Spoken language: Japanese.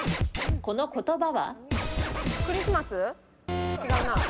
この言葉は？